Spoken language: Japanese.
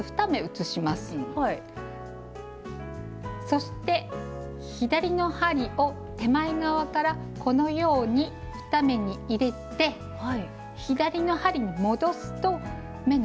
そして左の針を手前側からこのように２目に入れて左の針に戻すと目の順番が変わります。